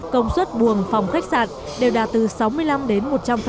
công suất buồng phòng khách sạn đều đạt từ sáu mươi năm đến một trăm linh